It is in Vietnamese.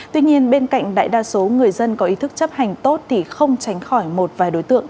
tuy nhiên bên cạnh đại đa số người dân có ý thức chấp hành tốt thì không tránh khỏi một vài đối tượng